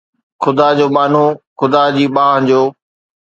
خدا جو ٻانهو ، خدا جي ٻانهن جو